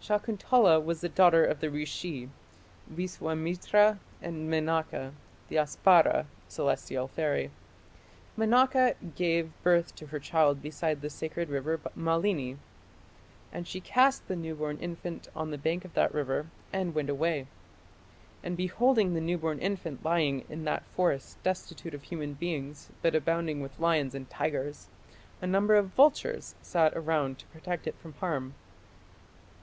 Shakuntala was the daughter of the rishi, Viswamitra, and Menaka, the Apsara (celestial fairy). Menaka gave birth to her child beside the sacred river Malini. "And she cast the new born infant on the bank of that river and went away. And beholding the newborn infant lying in that forest destitute of human beings but abounding with lions and tigers, a number of vultures sat around to protect it from harm."